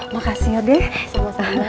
makasih ya deh sama sama